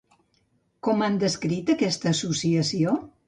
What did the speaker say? Com han descrit aquesta associació?